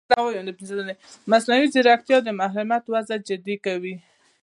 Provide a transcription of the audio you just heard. مصنوعي ځیرکتیا د محرمیت موضوع جدي کوي.